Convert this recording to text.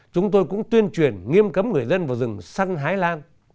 chúng tôi cũng tuyên truyền nghiêm cấm người dân vào rừng săn hái lan